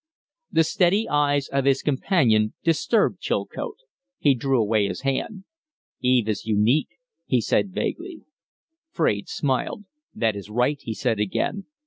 The steady eyes of his companion disturbed Chilcote. He drew away his hand. "Eve is unique," he said, vaguely. Fraide smiled. "That is right," he said again.